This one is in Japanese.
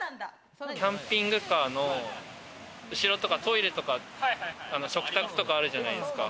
キャンピングカーの後とかトイレとか食卓とかあるじゃないですか。